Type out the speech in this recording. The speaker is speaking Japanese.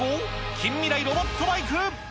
近未来ロボットバイク。